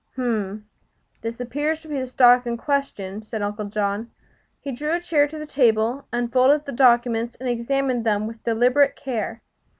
"H m. This appears to be the stock in question," said Uncle John. He drew a chair to the table, unfolded the documents and examined them with deliberate care.